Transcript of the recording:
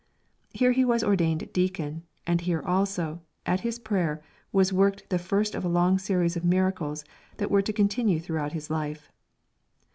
Here he was ordained deacon, and here also, at his prayer, was worked the first of a long series of miracles that were to continue throughout his life.